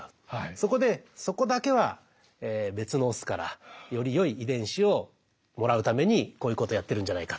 そこでそこだけは別のオスからよりよい遺伝子をもらうためにこういうことをやってるんじゃないかと。